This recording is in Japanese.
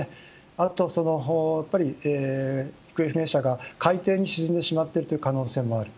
あと、行方不明者が海底に沈んでしまっている可能性もある。